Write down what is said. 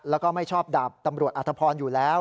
แล้วก็ไม่ชอบดาบตำรวจอธพรอยู่แล้ว